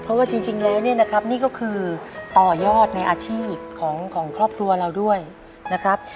เพราะว่าจริงแล้วเนี่ยนะครับนี่ก็คือต่อยอดในอาชีพของครอบครัวเราด้วยนะครับ